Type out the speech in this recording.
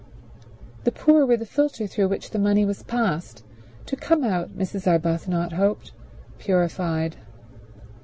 The poor were the filter through which the money was passed, to come out, Mrs. Arbuthnot hoped, purified.